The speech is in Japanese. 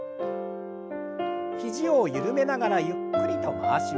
肘を緩めながらゆっくりと回します。